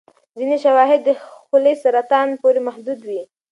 ځینې شواهد د خولې سرطان پورې محدود دي.